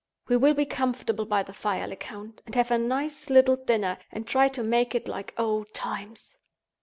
We will be comfortable by the fire, Lecount—and have a nice little dinner—and try to make it like old times."